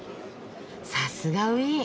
さすがウィーン。